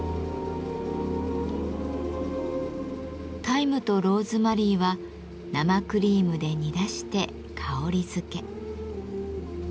タイムとローズマリーは生クリームで煮出して香りづけ。